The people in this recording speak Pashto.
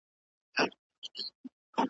په منځ کي مېلمنه سوه د زمان د توپانونو .